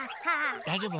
だいじょうぶ？